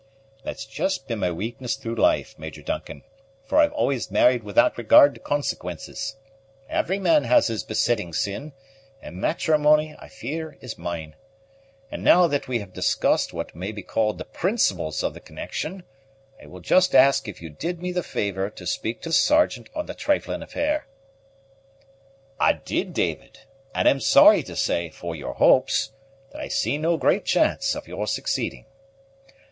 "That's just been my weakness through life, Major Duncan; for I've always married without regard to consequences. Every man has his besetting sin, and matrimony, I fear, is mine. And now that we have discussed what may be called the principles of the connection, I will just ask if you did me the favor to speak to the Sergeant on the trifling affair?" "I did, David; and am sorry to say, for your hopes, that I see no great chance of your succeeding."